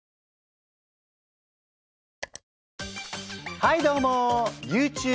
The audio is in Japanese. はいどうも。